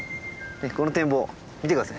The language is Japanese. この展望見て下さい。